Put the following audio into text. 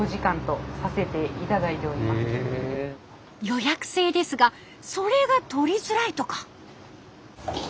予約制ですがそれがとりづらいとか。